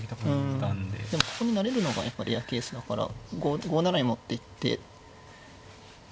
でもここに成れるのがやっぱレアケースだから５七へ持っていってっていうのも。